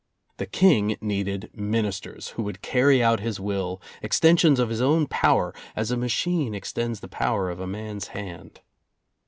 The King needed ministers, who would carry out his will, extensions of his own power, as a machine extends the power of a man's hand.